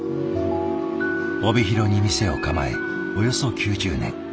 帯広に店を構えおよそ９０年。